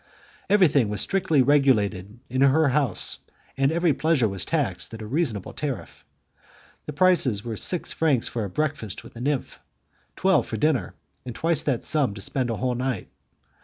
Everything was strictly regulated in her house and every pleasure was taxed at a reasonable tariff. The prices were six francs for a breakfast with a nymph, twelve for dinner, and twice that sum to spend a whole night.